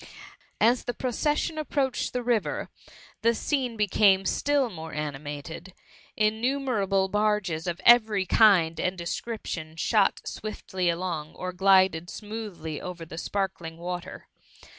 As the procession approached the river, the scene became i^ill more animated; innumerable* bai^ges of every kind and description shot swiftly along, or glided smoothly over the sparkling water.